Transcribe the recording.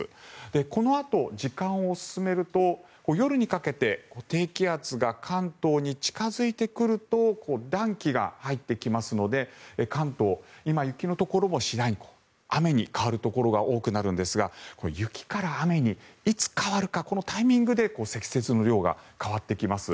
このあと、時間を進めると夜にかけて低気圧が関東に近付いてくると暖気が入ってきますので関東、今、雪のところも次第に雨に変わるところが多くなるんですが雪から雨にいつ変わるかこのタイミングで積雪の量が変わってきます。